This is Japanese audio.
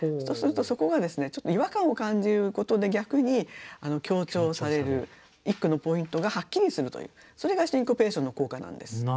そうするとそこがですねちょっと違和感を感じることで逆に強調される一句のポイントがはっきりするというそれがシンコペーションの効果なんです。